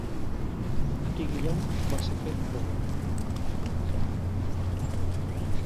Aquí Guillem va ser fet presoner.